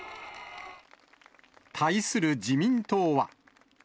対する自民党は。